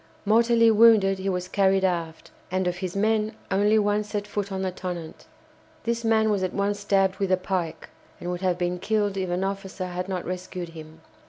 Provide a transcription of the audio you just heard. Mortally wounded, he was carried aft, and of his men only one set foot on the "Tonnant." This man was at once stabbed with a pike, and would have been killed if an officer had not rescued him.